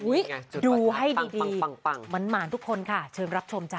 ดูให้ดีหมานทุกคนค่ะเชิญรับชมจ้